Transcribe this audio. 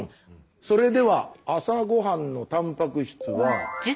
それでは朝ごはんのたんぱく質は。